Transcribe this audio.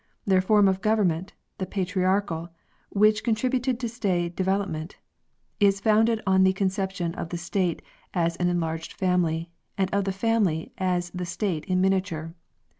Their form of govern ment, the patriarchal, which contributed to stay development, is founded on the conception of the state as an enlarged family, and of the family as the state in miniature.